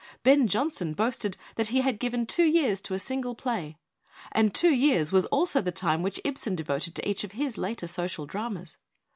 Ben Jonson boasted that he had given two years to a single play; and two years was also the time which Ibsen devoted to each of his later social dramas.